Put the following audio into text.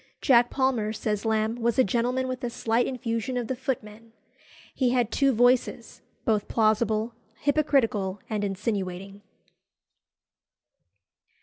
"Jack Palmer," says Lamb, "was a gentleman with a slight infusion of the footman." He had two voices, both plausible, hypocritical, and insinuating.